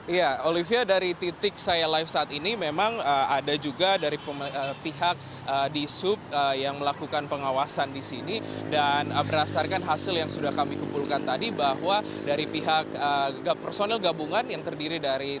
iya olivia dari titik saya live saat ini memang ada juga dari pihak di sub yang melakukan pengawasan di sini dan berdasarkan hasil yang sudah kami kumpulkan tadi bahwa dari pihak personil gabungan yang terdiri dari